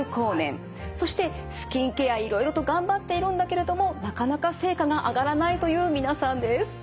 そしてスキンケアいろいろと頑張っているんだけれどもなかなか成果が上がらないという皆さんです。